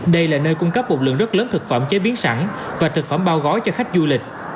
đây là nơi cung cấp một lượng rất lớn thực phẩm chế biến sẵn và thực phẩm bao gói cho khách du lịch